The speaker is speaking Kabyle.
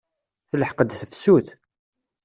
Telḥeq-d tefsut.